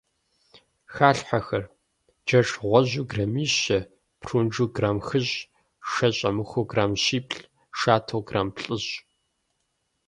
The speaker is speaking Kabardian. Халъхьэхэр: джэш гъуэжьу граммищэ, прунжу грамм хыщӏ, шэ щӀэмыхуу грамм щиплӏ, шатэу грамм плӏыщӏ.